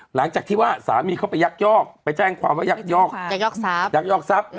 หลังจากที่ว่าสามีเขาไปยักยอกไปแจ้งความว่ายักยอกทรัพยักยอกทรัพย์